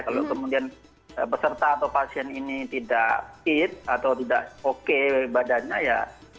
kalau kemudian peserta atau pasien ini tidak fit atau tidak oke badannya ya